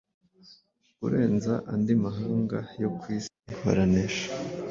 kurenza andi mahanga yo ku isi baranesha.